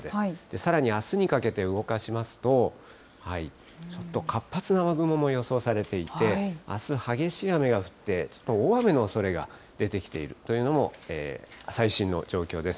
さらにあすにかけて動かしますと、ちょっと活発な雨雲も予想されていて、あす激しい雨が降って、大雨のおそれが出てきているというのも最新の状況です。